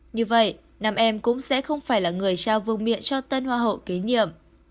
như vậy nam em cũng sẽ không phải là người trao vương miện cho tên hoa hậu kế nhiệm